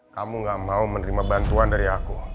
kamu gak mau menerima bantuan dari aku